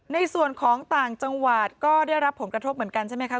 ในส่วนของต่างจังหวัดก็ได้รับผลกระทบเหมือนกันใช่ไหมคะ